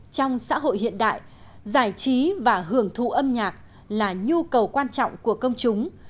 trong xã hội hiện đại giải trí và hưởng thụ âm nhạc là nhu cầu quan trọng của công chúng